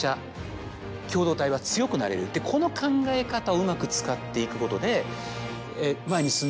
この考え方をうまく使っていくことで。